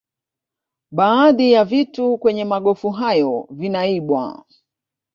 Baadhi ya vitu kwenye magofu hayo vinaibwa